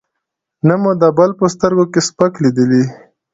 نه مو د بل په سترګو سپک لېدلی.